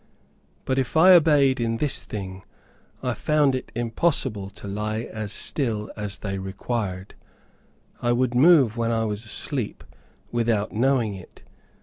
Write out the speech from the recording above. But if I obeyed in this thing, I found it impossible to lie as still as they required; I would move when I was asleep without knowing it.